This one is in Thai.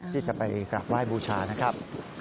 ที่จะไปกลับไล่บูชานะครับ